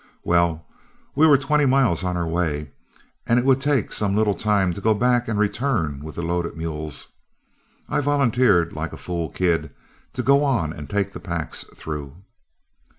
Well, we were twenty miles on our way, and as it would take some little time to go back and return with the loaded mules, I volunteered, like a fool kid, to go on and take the packs through.